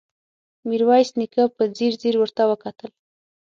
ميرويس نيکه په ځير ځير ورته وکتل.